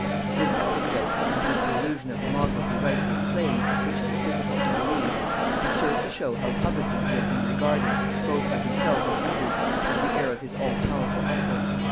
This anecdote, if indeed the allusion of the motto be rightly explained, which it is difficult to believe, would serve to show how publicly he had been regarded, both by himself and others, as the heir of his all powerful uncle.